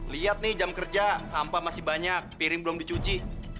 lihat nih jam kerja sampah masih banyak piring belum dicuci